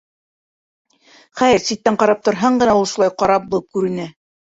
Хәйер, ситтән ҡарап торһаң ғына ул шулай ҡара булып күренә.